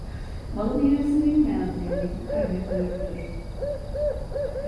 Malını yemesini bilmeyen zengin her gün züğürttür.